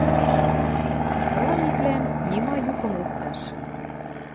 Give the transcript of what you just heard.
Исправниклӓн нима юкым лыкташ.